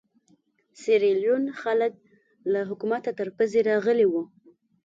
سیریلیون خلک له حکومته تر پزې راغلي وو.